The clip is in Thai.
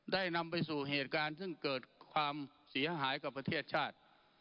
นำไปสู่เหตุการณ์ซึ่งเกิดความเสียหายกับประเทศชาติ